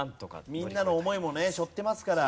みんなの思いもねしょってますから。